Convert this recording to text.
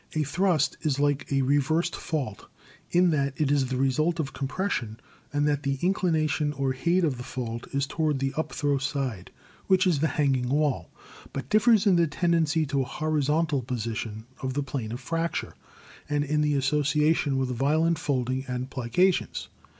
A thrust is like a reversed fault, in that it is the result of compression and that the inclination or hade of the fault is toward the upthrow side, which is the hanging wall, but differs in the tendency to a horizontal position of the plane of fracture and in the association with vio lent folding and plications.